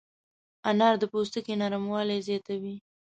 انار د پوستکي نرموالی زیاتوي.